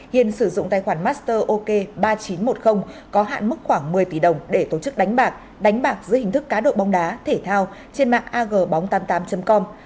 hiền sử dụng tài khoản masterok ba nghìn chín trăm một mươi có hạn mức khoảng một mươi tỷ đồng để tổ chức đánh bạc đánh bạc dưới hình thức cá độ bóng đá thể thao trên mạng agbong tám mươi tám com